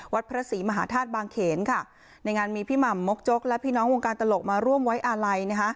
วัดพระศรีมหาธาตุบางเขนค่ะในงานมีพี่หม่ำมกจกและพี่น้องวงการตลกมาร่วมไว้อาลัย